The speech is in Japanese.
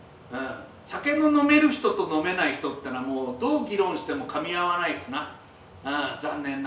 酒の飲める人と飲めない人ってのはもうどう議論してもかみ合わないですな。